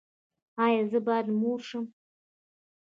ایا زه باید مور شم؟